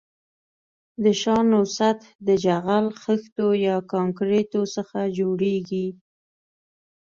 د شانو سطح د جغل، خښتو یا کانکریټو څخه جوړیږي